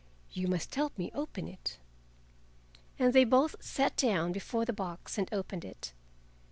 "You must help me open it." And they both sat down before the box and opened it.